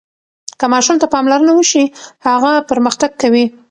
که ماشوم ته پاملرنه وشي، هغه پرمختګ کوي.